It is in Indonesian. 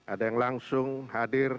ada yang langsung hadir